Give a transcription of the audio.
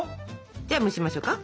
じゃあ蒸しましょうか。